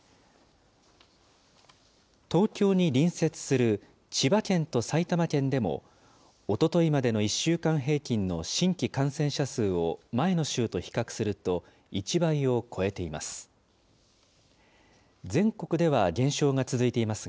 東京に隣接する千葉県と埼玉県でも、おとといまでの１週間平均の新規感染者数を前の週と比較すると１倍を超えています。